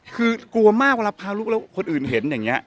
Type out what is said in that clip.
คือกลัวมากเวลาพาลูกแล้วคนอื่นเห็นอย่างนี้